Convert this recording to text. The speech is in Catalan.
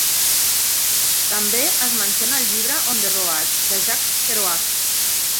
També es menciona al llibre "On the Road" de Jack Kerouac.